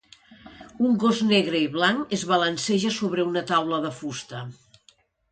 Un gos negre i blanc es balanceja sobre una taula de fusta.